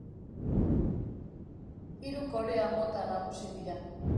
Hiru korea mota nagusi dira.